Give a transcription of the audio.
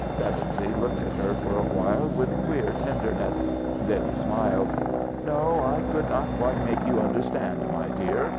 Pevensey looked at her for a while with queer tenderness. Then he smiled. "No, I could not quite make you understand, my dear.